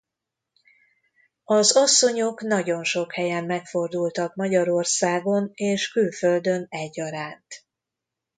Az asszonyok nagyon sok helyen megfordultak Magyarországon és külföldön egyaránt.